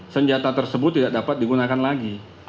senjata tersebut tidak dapat digunakan lagi